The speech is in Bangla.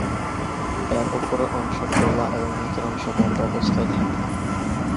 এর উপরের অংশ খোলা এবং নিচের অংশ বন্ধ অবস্থায় থাকে।